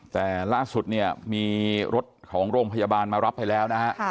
แต่ล่าสุดเนี่ยมีรถของโรงพยาบาลมารับไปแล้วนะฮะ